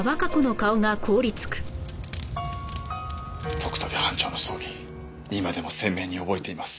徳武班長の葬儀今でも鮮明に覚えています。